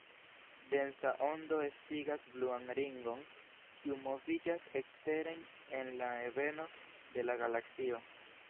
Densa ondo estigas bluan ringon, kiu moviĝas eksteren en la ebeno de la galaksio.